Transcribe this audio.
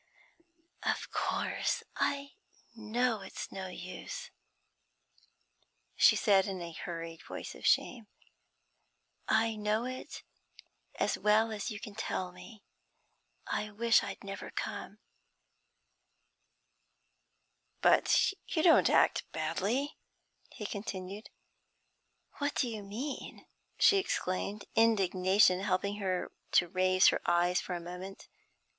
'Of course, I know it's no use,' she said in a hurried voice of shame. 'I know it as well as you can tell me. I wish I'd never come.' 'But you don't act badly,' he continued. 'What do you mean?' she exclaimed, indignation helping her to raise her eyes for a moment.